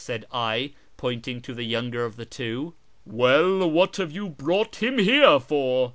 said I, pointing to the younger of the two. ' Well, what have you brought him here for